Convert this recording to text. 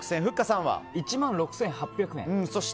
１万６８００円。